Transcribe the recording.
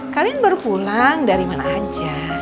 kalian baru pulang dari mana aja